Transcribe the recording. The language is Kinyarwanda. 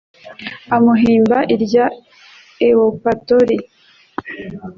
amuhimba irya ewupatori